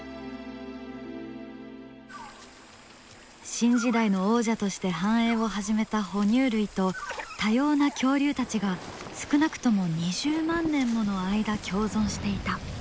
新時代の王者として繁栄を始めた哺乳類と多様な恐竜たちが少なくとも２０万年もの間共存していた。